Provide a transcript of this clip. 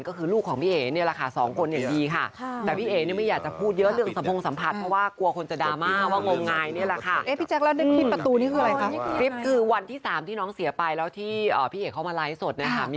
ก็คือลูกของพี่